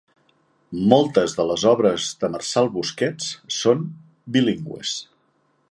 Moltes de les obres de Marçal Busquets són bilingües.